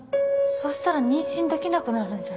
そしたら妊娠できなくなるんじゃ